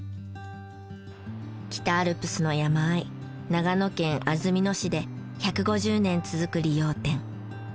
北アルプスの山あい長野県安曇野市で１５０年続く理容店。